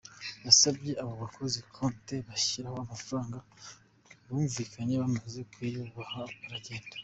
Basabye abo bakozi Konti bashyiraho amafaranga bumvikanye, bamaze kuyibaha baragenda.